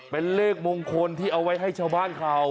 เป็นเลขมงคลที่เอาไว้ให้ชาวบ้านเขา